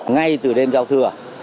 ngay từ đêm giao thừa